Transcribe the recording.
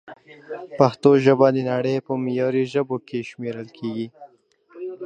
پښتو ژبه د نړۍ په معياري ژبو کښې شمېرل کېږي